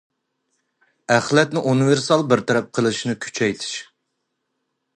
ئەخلەتنى ئۇنىۋېرسال بىر تەرەپ قىلىشنى كۈچەيتىش.